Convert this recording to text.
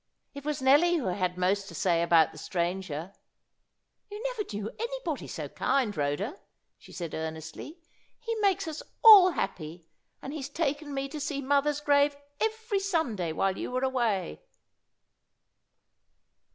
It was Nelly who had most to say about the stranger. "You never knew anybody so kind, Rhoda," she said, earnestly. "He makes us all happy, and he's taken me to see mother's grave every Sunday while you were away."